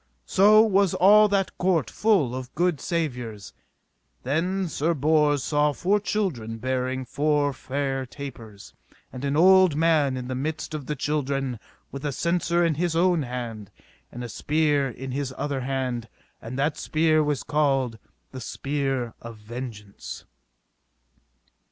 So was all that court full of good savours. Then Sir Bors saw four children bearing four fair tapers, and an old man in the midst of the children with a censer in his own hand, and a spear in his other hand, and that spear was called the Spear of Vengeance.